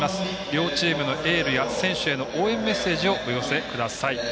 両チームのエール選手への応援メッセージをお寄せください。